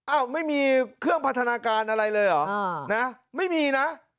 อ้าวไม่มีเครื่องพัฒนาการอะไรเลยเหรอนะไม่มีนะ